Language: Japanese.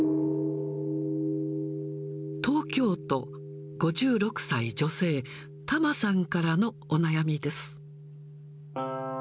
東京都、５６歳女性、たまさんからのお悩みです。